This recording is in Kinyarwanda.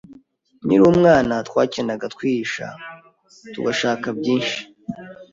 Nkiri umwana, twakinaga twihisha tugashaka byinshi.